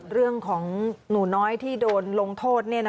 เรื่องของหนูน้อยที่โดนลงโทษ